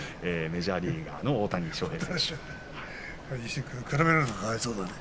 メジャーリーガーの大谷翔平ですね。